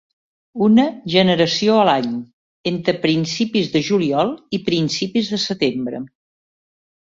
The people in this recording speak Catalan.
Una generació a l'any, entre principis de juliol i principis de setembre.